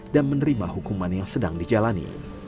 dan menerima hukuman yang sedang dijalani